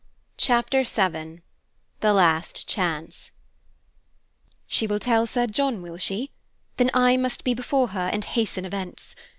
Chapter VII THE LAST CHANCE "She will tell Sir John, will she? Then I must be before her, and hasten events.